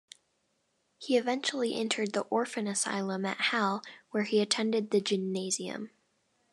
He eventually entered the orphan asylum at Halle, where he attended the gymnasium.